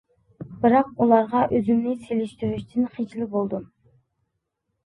بىراق ئۇلارغا ئۆزۈمنى سېلىشتۇرۇشتىن خىجىل بولدۇم.